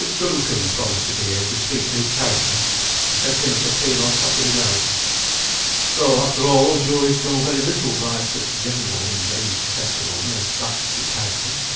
Duncombe promised to be here to speak to his character. I sent him a subpoena on Saturday night. Though after all, juries go very little by such general and vague testimony as that to character.